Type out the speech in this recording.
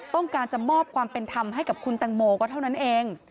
ต้องการจะมอบความเป็นธรรมให้กับคุณตังโมก็เท่านั้นเอง